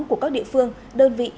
của các địa phương đơn vị